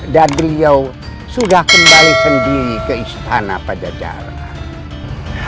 dan beliau sudah kembali sendiri ke istana pajajara